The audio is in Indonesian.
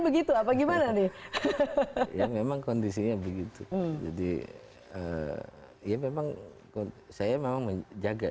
begitu apa gimana nih yang memang kondisinya begitu jadi ya memang saya memang menjaga